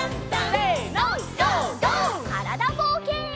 からだぼうけん。